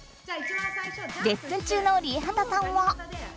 レッスン中のＲＩＥＨＡＴＡさんは。